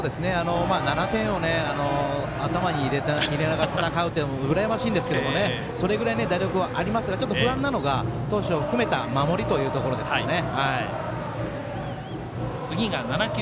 ７点を頭に入れながら戦うというのも羨ましいんですがそれぐらい打力はありますが不安があるのが投手を含めた守りというところですかね。